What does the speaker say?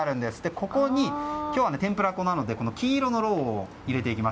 ここに天ぷら粉なので黄色のろうを入れていきます。